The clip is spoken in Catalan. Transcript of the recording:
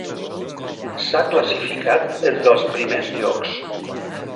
S'ha classificat entre els primers llocs.